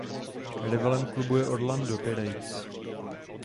Rivalem klubu je Orlando Pirates.